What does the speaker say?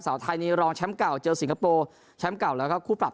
ไทยในรองแชมป์เก่าเจอสิงคโปร์แชมป์เก่าแล้วก็คู่ปรับ